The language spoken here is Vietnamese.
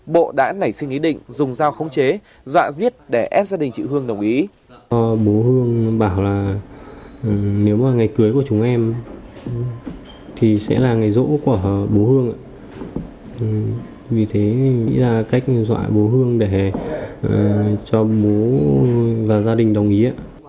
bộ đã nảy sinh ý định dùng dao khống chế dọa giết để ép gia đình chị hương đồng ý